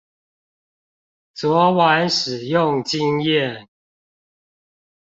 昨晚使用經驗